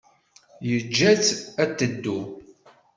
Yeǧǧa-tt ad teddu.